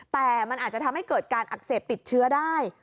แต่มันอาจจะทำให้เกิดการอักเสบติดเชื้อได้